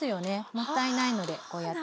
もったいないのでこうやって。